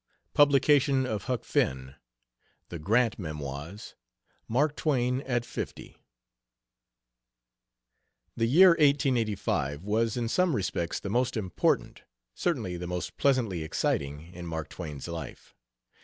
PUBLICATION OF "HUCK FINN." THE GRANT MEMOIRS. MARK TWAIN AT FIFTY. The year 1885 was in some respects the most important, certainly the most pleasantly exciting, in Mark Twain's life.